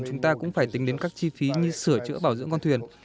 chúng ta cũng phải tính đến các chi phí như sửa chữa bảo dưỡng con thuyền